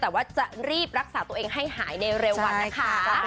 แต่ว่าจะรีบรักษาตัวเองให้หายในเร็ววันนะคะ